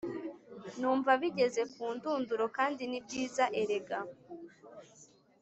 Numva bigeze kundunduro kandi nibyiza erega